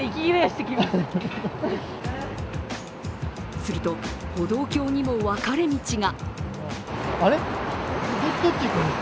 すると、歩道橋にも分かれ道が。